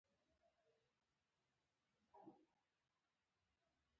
• د شپې چمک د سپوږمۍ له برکته وي.